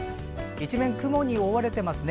一面雲に覆われていますね。